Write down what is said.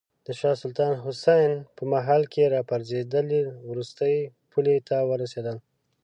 د شاه سلطان حسین په مهال کې راپرزېدل وروستۍ پولې ته ورسېدل.